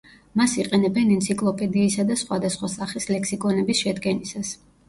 მას იყენებენ ენციკლოპედიისა და სხვადასხვა სახის ლექსიკონების შედგენისას.